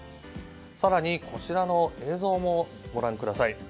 更に、こちらの映像もご覧ください。